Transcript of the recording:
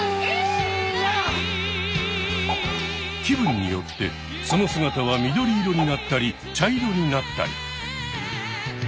気分によってその姿は緑色になったり茶色になったり。